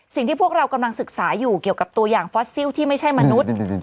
สิ่งที่พวกเรากำลังศึกษาอยู่เกี่ยวกับตัวอย่างฟอสซิลที่ไม่ใช่มนุษย์